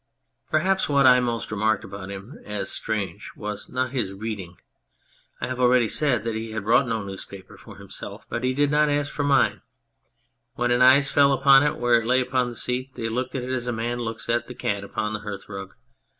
Perhaps what I most remarked about him as strange was his not reading. I have already said that he had bought no newspaper for himself, but he did not ask for mine. When his eyes fell upon it where it lay upon the seat they looked at it as a man looks at the cat upon the hearthrug.